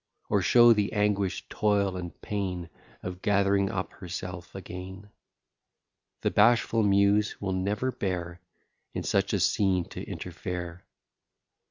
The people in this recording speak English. Or show the anguish, toil, and pain, Of gath'ring up herself again? The bashful Muse will never bear In such a scene to interfere.